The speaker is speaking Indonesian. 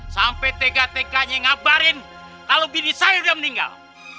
sampai tega teganya ngabarin kalau bini saya udah meninggal